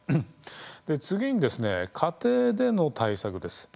次に家庭での対策です。